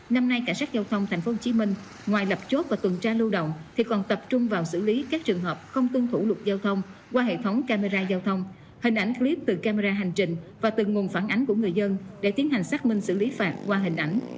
năm nay cảnh sát giao thông tp hcm ngoài lập chốt và tuần tra lưu động thì còn tập trung vào xử lý các trường hợp không tuân thủ luật giao thông qua hệ thống camera giao thông hình ảnh clip từ camera hành trình và từ nguồn phản ánh của người dân để tiến hành xác minh xử lý phạt qua hình ảnh